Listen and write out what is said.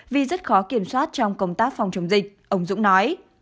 vì rất khó kiểm soát trong công tác phòng chống dịch ông dũng nói